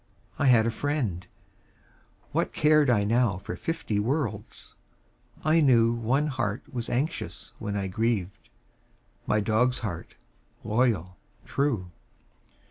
I had a friend; what cared I now For fifty worlds? I knew One heart was anxious when I grieved My dog's heart, loyal, true.